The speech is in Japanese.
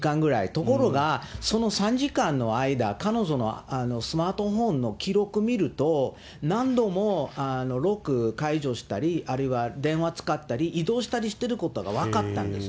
ところが、その３時間の間、彼女のスマートフォンの記録見ると、何度もロック解除したり、あるいは電話使ったり、移動したりしてることが分かったんです。